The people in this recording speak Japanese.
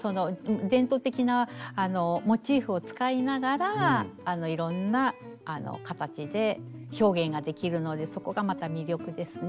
伝統的なモチーフを使いながらいろんな形で表現ができるのでそこがまた魅力ですね。